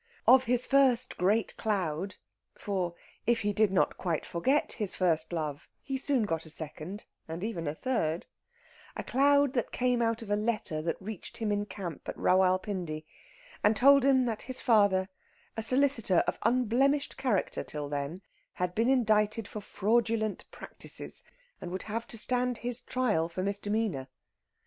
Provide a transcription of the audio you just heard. Of his first great cloud for, if he did not quite forget his first love, he soon got a second and even a third a cloud that came out of a letter that reached him in camp at Rawal Pindi, and told him that his father, a solicitor of unblemished character till then, had been indicted for fraudulent practices, and would have to stand his trial for misdemeanour.